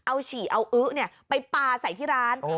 เอาฉี่เอาอื้อไปปลาใส่ที่ร้าน